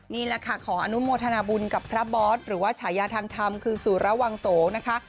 นี่แหละค่ะขออนุโมทนาบุญกับพระบอสหรือว่าฉายาทางธรรมคือสุระวังโสนะคะ